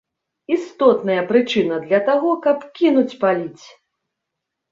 Істотная прычына для таго, каб кінуць паліць!